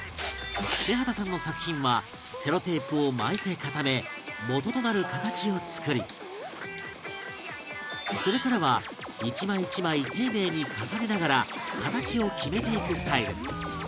瀬畑さんの作品はセロテープを巻いて固めもととなる形を作りそれからは１枚１枚丁寧に重ねながら形を決めていくスタイル